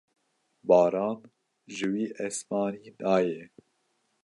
Baran ji wî esmanî nayê.